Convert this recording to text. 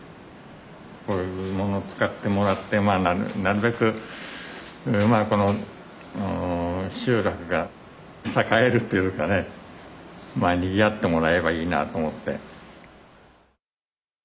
こういうものを使ってもらってなるべくこの集落が栄えるっていうかねにぎわってもらえればいいなと思って。